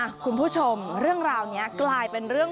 คุณผู้ชมเรื่องราวนี้กลายเป็นเรื่อง